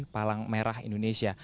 palang merah indonesia